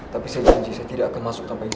tapi saya janji saya tidak akan masuk tanpa iit